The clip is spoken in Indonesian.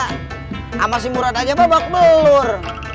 sampai si murad aja babak belur